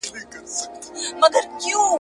داسي ډېر کسان پردي غمونه ژاړي